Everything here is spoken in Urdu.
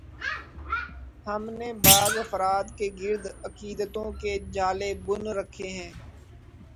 ہم نے بعض افراد کے گرد عقیدتوں کے جالے بن رکھے ہیں۔